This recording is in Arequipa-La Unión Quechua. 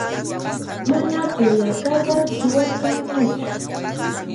Mana polacata suwarqunqachu.